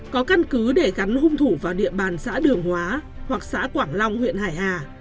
có căn cứ để gắn hung thủ vào địa bàn xã đường hóa hoặc xã quảng long huyện hải hà